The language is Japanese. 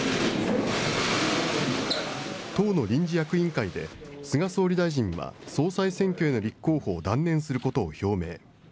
党の臨時役員会で、菅総理大臣は総裁選挙への立候補を断念することを表明。